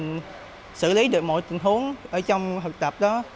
tự mình xử lý được mọi tình huống ở trong hợp tập đó